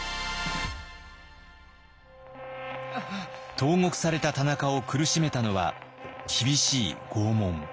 投獄された田中を苦しめたのは厳しい拷問。